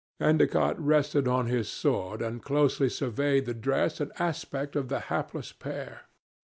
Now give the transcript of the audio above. Endicott rested on his sword and closely surveyed the dress and aspect of the hapless pair.